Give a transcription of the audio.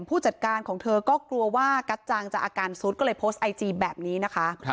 ผู้จัดการของเธอก็กลัวว่ากัจจังจะอาการซุดก็เลยโพสต์ไอจีแบบนี้นะคะ